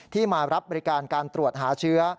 มารับบริการการตรวจหาเชื้อ